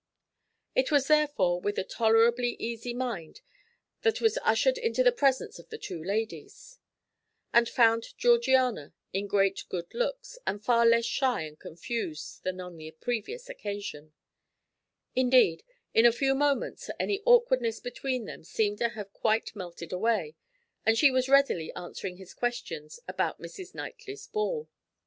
It was therefore with a tolerably easy mind that was ushered into the presence of the two ladies, and found Georgiana in great good looks and far less shy and confused than on the previous occasion; indeed, in a few moments any awkwardness between them seemed to have quite melted away, and she was readily answering his questions about Mrs. Knightley's ball.